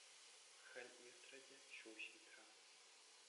Хӗл иртрӗ те — ҫу ҫитрӗ.